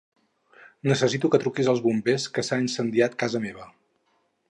Necessito que truquis als bombers, que s'ha incendiat casa meva.